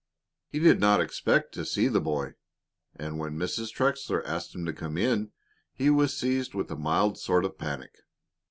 He did not expect to see the boy, and when Mrs. Trexler asked him to come in, he was seized with a mild sort of panic.